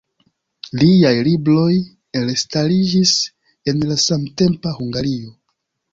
Liaj libroj elstariĝis en la samtempa Hungario.